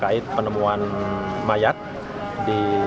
ketika kita menemukan penemuan mayat di rumah indekos